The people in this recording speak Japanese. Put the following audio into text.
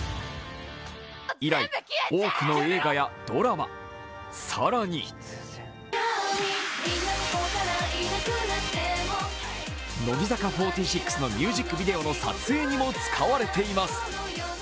以来、多くの映画やドラマ、更に乃木坂４６のミュージックビデオの撮影にも使われています。